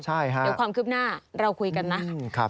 เดี๋ยวความคืบหน้าเราคุยกันนะ